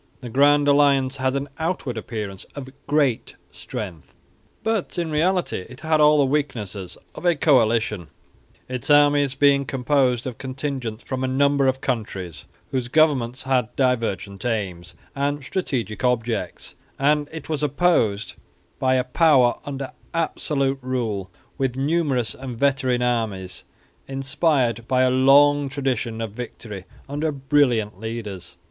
The Grand Alliance had an outward appearance of great strength, but in reality it had all the weaknesses of a coalition, its armies being composed of contingents from a number of countries, whose governments had divergent aims and strategic objects, and it was opposed by a power under absolute rule with numerous and veteran armies inspired by a long tradition of victory under brilliant leaders.